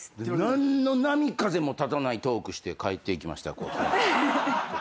何の波風もたたないトークして帰っていきました。